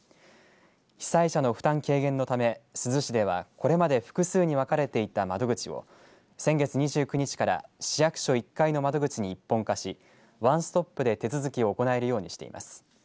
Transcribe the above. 被災者の負担軽減のため珠洲市ではこれまで複数に分かれていた窓口を先月２９日から市役所１階の窓口に一本化しワンストップで手続きを行えるようにしています。